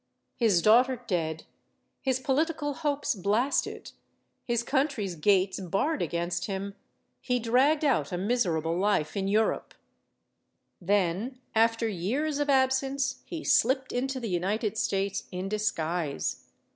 His daughter dead, his political hopes blasted, his country's gates barred against him, he dragged out a 106 STORIES OF THE SUPER WOMEN miserable life in Europe. Then, after years of absence, he slipped into the United States in disguise.